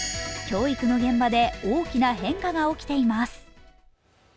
教育の現場で大きな変化が起きています。